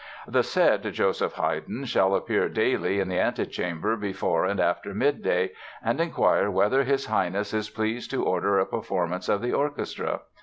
"The said Joseph Heyden shall appear daily in the antechamber before and after midday, and inquire whether his Highness is pleased to order a performance of the orchestra....